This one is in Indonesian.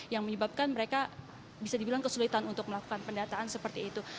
yang menyebabkan mereka bisa dibilang kesulitan untuk melakukan pendataan seperti itu